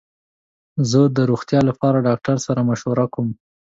زه د روغتیا لپاره ډاکټر سره مشوره کوم.